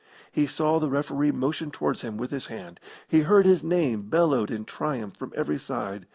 He saw the referee motion towards him with his hand. He heard his name bellowed in triumph from every side.